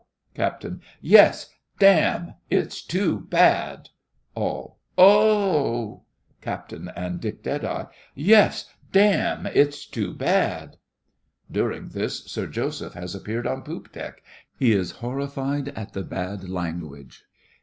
CAPT. Yes, damme, it's too bad! ALL. Oh! CAPT. and DICK DEADEYE. Yes, damme, it s too bad. [During this, SIR JOSEPH has appeared on poop deck. He is horrified at the bad language.